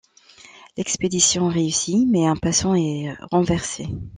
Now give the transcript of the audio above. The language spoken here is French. L'expédition réussit, mais un passant est renversé.